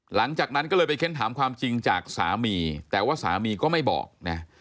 หลังจากนั้นก็เลยไปเค้นถามความจริงจากสามีแต่ว่าสามีก็ไม่บอกนะ